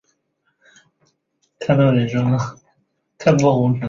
只要焦点足够她就能躲避敌人的子弹。